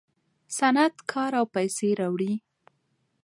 صنعت کار او پیسې راوړي.